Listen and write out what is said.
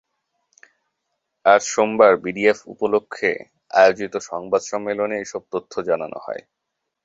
আজ সোমবার বিডিএফ উপলক্ষে আয়োজিত সংবাদ সম্মেলনে এসব তথ্য জানানো হয়।